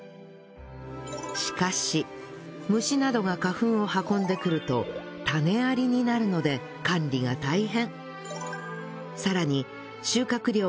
しかし虫などが花粉を運んでくると種ありになるので管理が大変